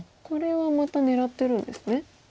これはまた狙ってるんですね。